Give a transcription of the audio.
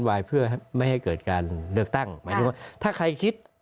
วายเพื่อไม่ให้เกิดการเลือกตั้งหมายถึงว่าถ้าใครคิด